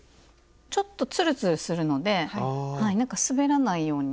ちょっとツルツルするのではい滑らないように。